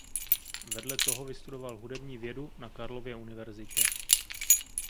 Vedle toho vystudoval hudební vědu na Karlově univerzitě.